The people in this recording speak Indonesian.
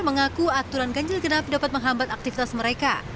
mengaku aturan ganjil genap dapat menghambat aktivitas mereka